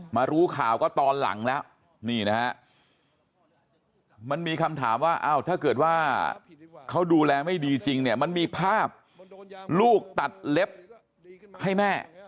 มันมีคำถามว่าอ้าวถ้าเกิดว่าเขาดูแลไม่ดีจริงเนี่ยมันมีภาพลูกตัดเล็บให้แม่